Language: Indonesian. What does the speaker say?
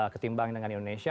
ketimbang dengan indonesia